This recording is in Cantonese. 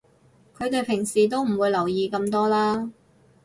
佢哋平時都唔會留意咁多啦